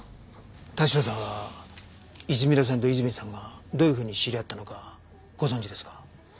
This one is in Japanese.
田代さんは泉田さんといずみさんがどういうふうに知り合ったのかご存じですか？